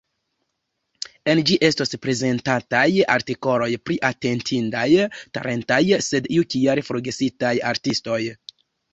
En ĝi estos prezentataj artikoloj pri atentindaj, talentaj, sed iukiale forgesitaj artistoj.